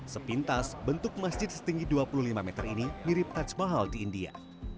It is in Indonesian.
sepintas bentuk masjid setinggi dua puluh lima meter ini mirip taj mahal di india